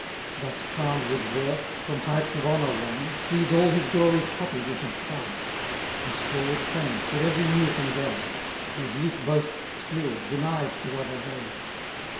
Thus crown'd with worth, from heights of honour won, Sees all his glories copied in his son, Whose forward fame should every muse engage Whose youth boasts skill denied to others' age.